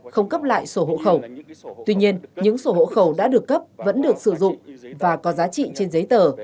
không cấp lại sổ hộ khẩu tuy nhiên những sổ hộ khẩu đã được cấp vẫn được sử dụng và có giá trị trên giấy tờ